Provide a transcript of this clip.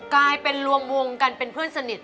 กลายเป็นรวมวงกันเป็นเพื่อนสนิท